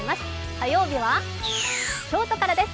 火曜日は京都からです。